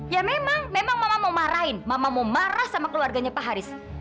ya memang memang mama mau marahin mamamu marah sama keluarganya pak haris